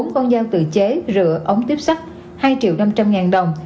bốn con dao tự chế rửa ống tiếp sắt hai triệu năm trăm linh ngàn đồng